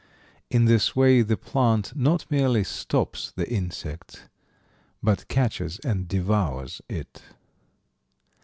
In this way the plant not merely stops the insect, but catches and devours it.